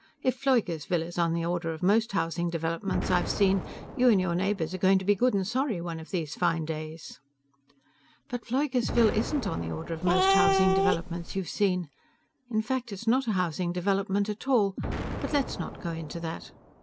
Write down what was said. If Pfleugersville is on the order of most housing developments I've seen, you and your neighbors are going to be good and sorry one of these fine days!" "But Pfleugersville isn't on the order of most housing developments you've seen. In fact, it's not a housing development at all. But let's not go into that.